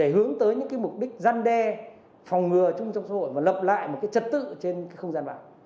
hướng đến những mục đích gian đe phòng ngừa trong xã hội và lập lại một cái trật tự trên không gian bảo